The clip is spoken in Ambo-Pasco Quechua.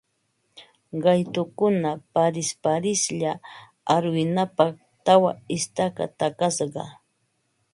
Qaytukuna parisparislla arwinapaq tawa istaka takasqa